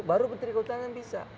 baru menteri kehutanan bisa